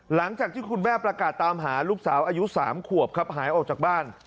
หลังจากที่คุณแม่ประกาศตามหาลูกสาวอายุ๓ขวบครับหายออกจากบ้าน